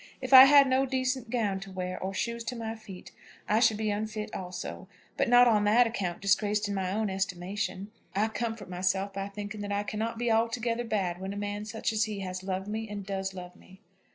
If I had no decent gown to wear, or shoes to my feet, I should be unfit also; but not on that account disgraced in my own estimation. I comfort myself by thinking that I cannot be altogether bad when a man such as he has loved me and does love me."